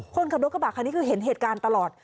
คนขับรถกระบะคันนี้คือเห็นเหตุการณ์ตลอด